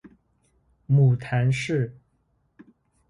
母谈氏。